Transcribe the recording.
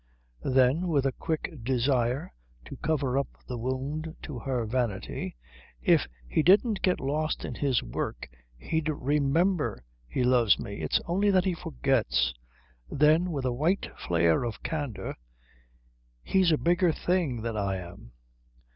Then, with a quick desire to cover up the wound to her vanity, "If he didn't get lost in his work he'd remember he loves me it's only that he forgets." Then, with a white flare of candour, "He's a bigger thing than I am."